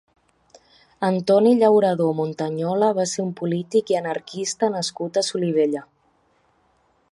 Antoni Llauradó Muntanyola va ser un polític i anarquista nascut a Solivella.